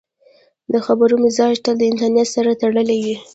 د خبرو مزاج تل د انسان سره تړلی وي